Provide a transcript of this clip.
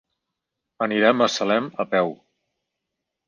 Anirem a Salem a peu.